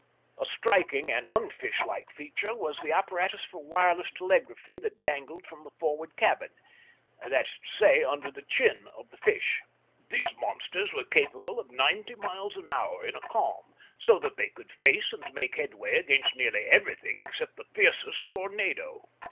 A striking, and unfish like feature was the apparatus for wireless telegraphy that dangled from the forward cabin that is to say, under the chin of the fish. These monsters were capable of ninety miles an hour in a calm, so that they could face and make headway against nearly everything except the fiercest tornado.